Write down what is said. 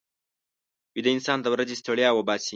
ویده انسان د ورځې ستړیا وباسي